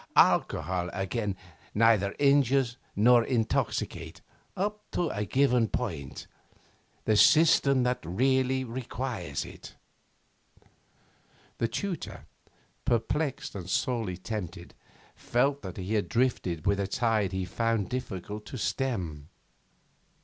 Alcohol, again, neither injures nor intoxicates up to a given point the system that really requires it.' The tutor, perplexed and sorely tempted, felt that he drifted with a tide he found it difficult to stem.